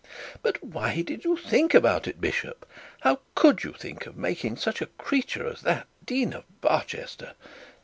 'But why did you think about it, bishop? How could you think of making such a creature as that Dean of Barchester?